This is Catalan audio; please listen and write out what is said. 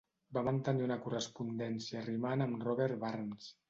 Va mantenir una correspondència rimant amb Robert Burns.